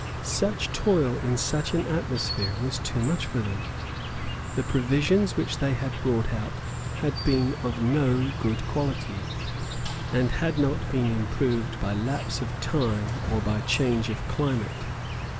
Such toil in such an atmosphere was too much for them. The provisions which they had brought out had been of no good quality, and had not been improved by lapse of time or by change of climate.